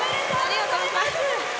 ありがとうございます。